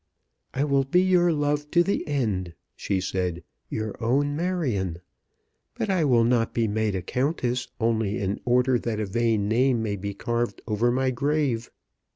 "I will be your love to the end," she said, "your own Marion. But I will not be made a Countess, only in order that a vain name may be carved over my grave."